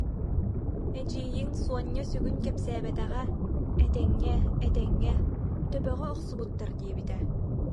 Эдьиийиҥ Суонньа сүгүн кэпсээбэтэҕэ, этэҥҥэ-этэҥҥэ, төбөҕі охсубуттар диэбитэ